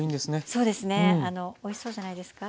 そうですねおいしそうじゃないですか？